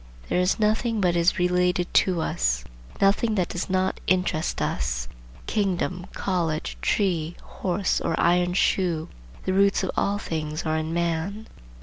There is nothing but is related to us, nothing that does not interest us,—kingdom, college, tree, horse, or iron shoe,—the roots of all things are in man.